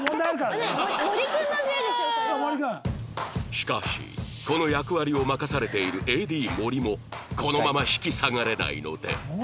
しかしこの役割を任されている ＡＤ 森もこのまま引き下がれないので